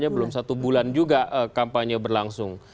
belum satu bulan juga kampanye berlangsung